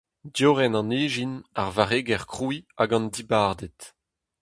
Diorren an ijin, ar varregezh krouiñ hag an dibarded.